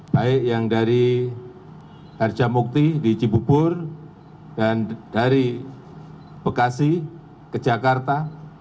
baik yang dari harjamukti di cibubur dan dari bekasi ke jakarta